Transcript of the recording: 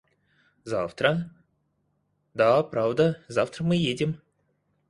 Завтра... Да, правда, завтра мы едем.